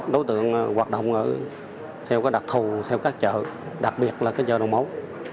đối tượng hoạt động theo cái đặc thù theo các chợ đặc biệt là cái chợ đồng mẫu